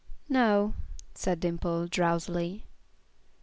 "No," said Dimple, drowsily.